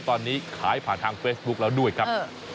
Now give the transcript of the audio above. ตอนนี้ขายผ่านทางเฟซบุ๊คแล้วด้วยครับ